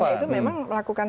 itu memang melakukan